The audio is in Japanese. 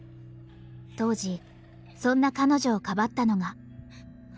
当時そんな彼女をかばったのが秋音でした。